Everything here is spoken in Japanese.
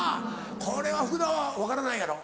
これは福田は分からないやろ。